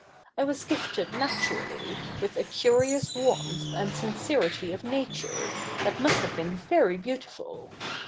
I was gifted naturally with a curious warfnth and sincerity of nature, that must have been very beautiful.